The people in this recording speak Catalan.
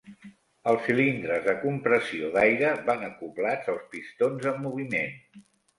Els cilindres de compressió d'aire van acoblats als pistons en moviment.